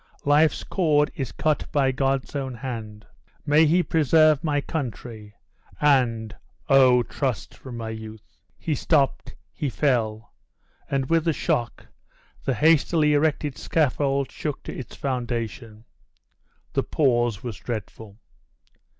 Life's cord is cut by God's own hand! May he preserve my country, and Oh! trust from my youth " He stopped he fell; and with the shock, the hastily erected scaffold shook to its foundation. The pause was dreadful.